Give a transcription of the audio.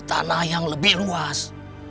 tanah yang lebih luas